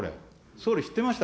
総理知ってました。